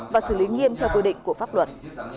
và xử lý nghiêm theo quy định của pháp luật